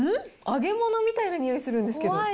揚げ物みたいなにおいするんですけど。